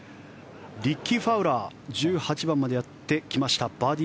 リッキー・ファウラー１８番までやってきました。